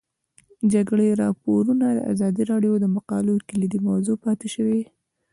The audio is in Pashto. د جګړې راپورونه د ازادي راډیو د مقالو کلیدي موضوع پاتې شوی.